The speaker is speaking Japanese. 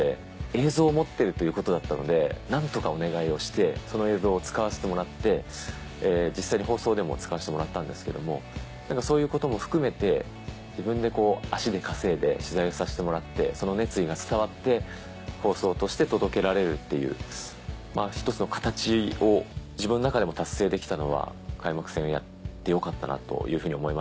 映像を持ってるということだったので何とかお願いをしてその映像を使わせてもらって実際に放送でも使わせてもらったんですけどもそういうことも含めて自分で足で稼いで取材をさせてもらってその熱意が伝わって放送として届けられるっていう一つの形を自分の中でも達成できたのは開幕戦をやってよかったなというふうに思いますし。